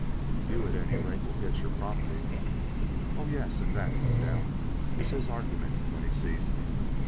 "You, at any rate, will get your property?" "Oh, yes; and that, no doubt, is his argument when he sees me.